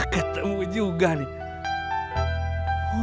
ketemu juga nih